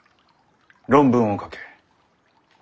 論文を書け。